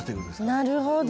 なるほど。